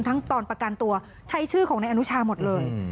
ตอนประกันตัวใช้ชื่อของนายอนุชาหมดเลย